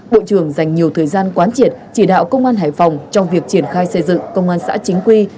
bộ trưởng dành nhiều thời gian quán triệt chỉ đạo công an hải phòng trong việc triển khai xây dựng công an xã chính quy